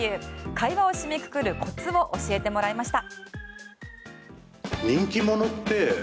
会話を締めくくるコツを教えてもらいました。